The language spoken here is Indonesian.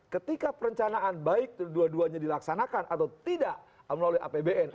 ketika perencanaan baik dua duanya dilaksanakan atau tidak melalui apbn